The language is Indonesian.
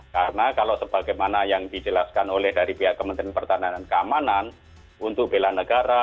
karena kalau sebagaimana yang dijelaskan oleh dari pihak kementerian pertahanan dan keamanan untuk bela negara